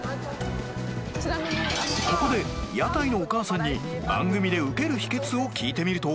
ここで屋台のお母さんに番組でウケる秘訣を聞いてみると